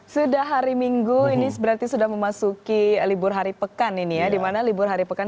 sudah hari minggu ini berarti sudah memasuki libur hari pekan ini ya dimana libur hari pekan